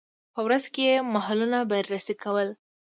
په ورځ کې یې محلونه بررسي کول.